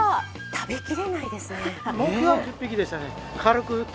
食べきれないですね。